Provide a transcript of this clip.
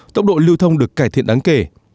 tốc độ lưu thông được cải thiện đáng kể